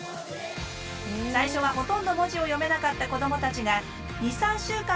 最初はほとんど文字を読めなかった子どもたちが２３週間